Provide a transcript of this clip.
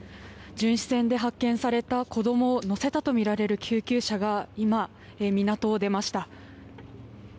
巡視船で発見された子どもを乗せたとみられる救急車が今、港を出ました。